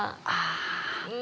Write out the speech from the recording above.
ああ。